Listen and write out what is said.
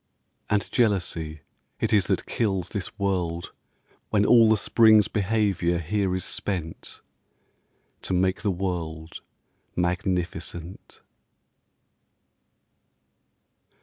And jealousy it is that kills This world when all The spring's behaviour here is spent To make the world magnificent.